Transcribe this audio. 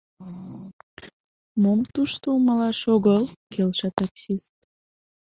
— Мом тушто умылаш огыл? — келша таксист.